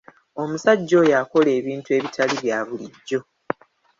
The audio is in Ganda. Omusajja oyo akola ebintu ebitali bya bulijjo!